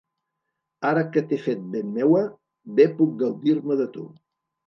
Ara que t’he fet ben meua, bé puc gaudir-me de tu.